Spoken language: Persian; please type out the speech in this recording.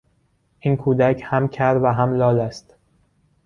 این کودک هم کر و هم لال است.